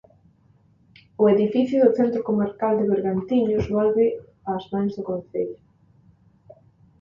O edificio do centro comarcal de Bergantiños volve aos mans do concello.